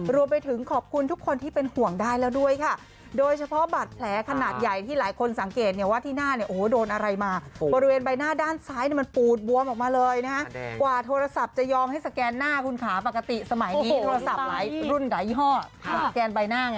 รวมไปถึงขอบคุณทุกคนที่เป็นห่วงได้แล้วด้วยค่ะโดยเฉพาะบัตรแผลขนาดใหญ่ที่หลายคนสังเกตว่าที่หน้าโดนอะไรมาบริเวณใบหน้าด้านซ้ายมันปูดบวมออกมาเลยนะกว่าโทรศัพท์จะยอมให้สแกนหน้าคุณขาปกติสมัยนี้โทรศัพท์รุ่นไหนหรอ